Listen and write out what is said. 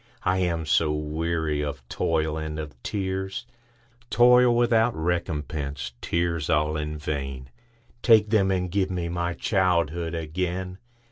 I am so weary of toil and of tears,—Toil without recompense, tears all in vain,—Take them, and give me my childhood again!